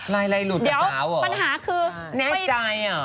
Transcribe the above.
ลายหลุดกับสาวเหรอแน่ใจเหรอ